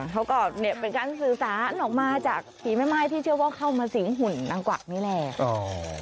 เขาก็เนี่ยเป็นการสื่อสารออกมาจากผีแม่ไม้ที่เชื่อว่าเข้ามาสิงหุ่นนางกวักนี่แหละ